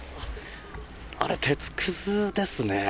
あれ、鉄くずですね。